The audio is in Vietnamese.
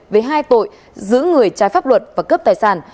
về hai tội giữ người trai pháp luật và cướp tài sản